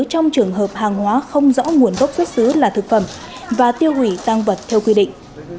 trong trường hợp hàng hóa không rõ nguồn gốc xuất xứ là thực phẩm và tiêu hủy tăng vật theo quy định